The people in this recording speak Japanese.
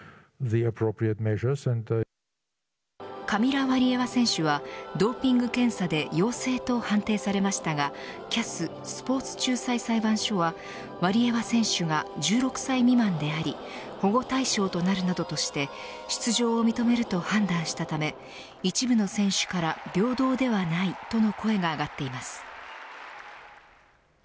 カミラ・ワリエワ選手はドーピング検査で陽性と判定されましたがＣＡＳスポーツ仲裁裁判所はワリエワ選手が１６歳未満であり保護対象となるなどとして出場を認めると判断したため一部の選手から平等ではないとの声が上がっています。